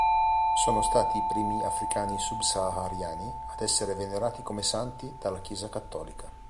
Sono stati i primi africani sub-sahariani ad essere venerati come santi dalla Chiesa cattolica.